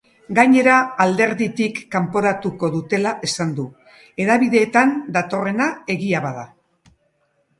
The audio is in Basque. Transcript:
Gainera, alderditik kanporatuko dutela esan du, hedabideetan datorrena egia bada.